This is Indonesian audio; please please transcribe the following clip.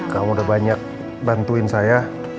kamu udah banyak bantuin saya